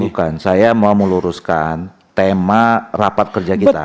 bukan saya mau meluruskan tema rapat kerja kita